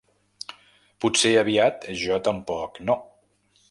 Potser aviat jo tampoc no.